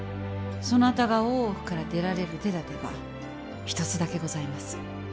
そなたが大奥から出られる手だてが一つだけございます。